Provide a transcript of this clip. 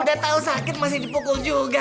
udah tau sakit masih di pukul juga